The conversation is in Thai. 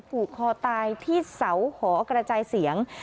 ผูกคอตายที่เสาหอกระจายเสียง